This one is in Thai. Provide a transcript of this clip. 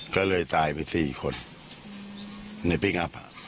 ก็เลยตายไป๔คนในพลิกอัพ